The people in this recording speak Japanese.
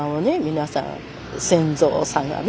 皆さん先祖さんがね